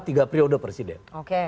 wijau ke presiden